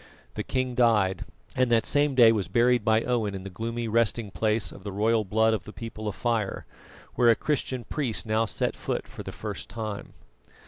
The king died, and that same day was buried by Owen in the gloomy resting place of the blood royal of the People of Fire, where a Christian priest now set foot for the first time.